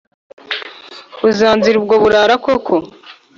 Uzanziza ubwo burara koko